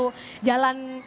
bisa jadi itu jadi salah satu